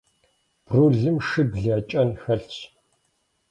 Брулым шибл я кӀэн хэлъщ.